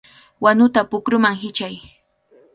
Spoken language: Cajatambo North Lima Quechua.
¡Wanuta pukruman hichay!